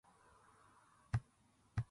むむぬ